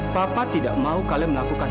papa tidak mau kalian melakukan